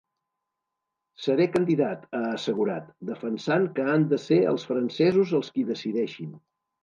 Seré candidat, ha assegurat, defensant que han de ser els francesos els qui decideixin.